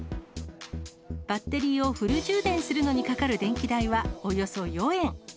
バッテリーをフル充電するのにかかる電気代はおよそ４円。